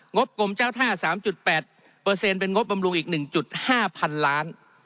งบกลมเจ้าท่าสามจุดแปดเปอร์เซ็นต์เป็นงบบำรุงอีกหนึ่งจุดห้าพันล้าน